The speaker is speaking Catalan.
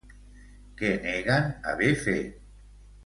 Què neguen haver fet?